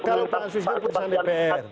kalau pansus itu kan dpr